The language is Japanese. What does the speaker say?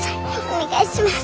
お願いします。